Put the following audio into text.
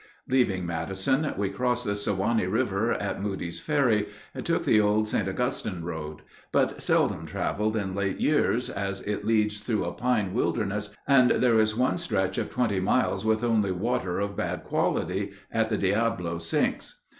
Leaving Madison, we crossed the Suwanee River at Moody's Ferry, and took the old St. Augustine road, but seldom traveled in late years, as it leads through a pine wilderness, and there is one stretch of twenty miles with only water of bad quality, at the Diable Sinks.